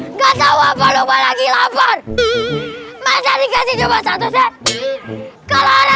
nggak tahu apa apa lagi lapar masih dikasih coba satu set kalau ada